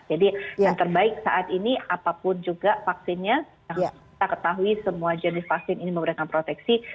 jadi yang terbaik saat ini apapun juga vaksinnya kita ketahui semua jenis vaksin ini memberikan proteksi